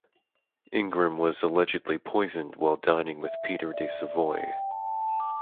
Ingram was allegedly poisoned while dining with Peter de Savoy.